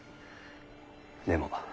でも